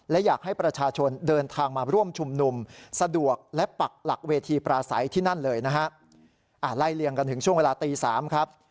และอยากให้ประชาชนเดินทางมาร่วมชุมนุมสะดวกและปักหลักเวทีปราศัยที่นั่นเลยนะฮะไล่เลี่ยงกันถึงช่วงเวลาตีสามครับ